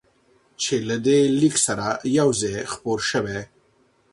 چې له دې لیک سره یو ځای خپور شوی،